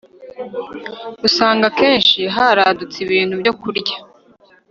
usanga kenshi haradutse ibintu byokurya